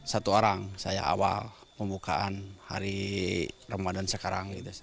satu orang saya awal pembukaan hari ramadhan sekarang